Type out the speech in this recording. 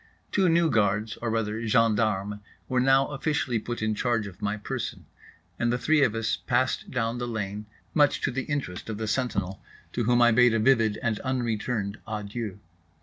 Two new guards—or rather gendarmes—were now officially put in charge of my person; and the three of us passed down the lane, much to the interest of the sentinel, to whom I bade a vivid and unreturned adieu.